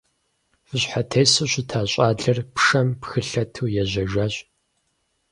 Выщхьэтесу щыта щӀалэр пшэм пхылъэту ежьэжащ.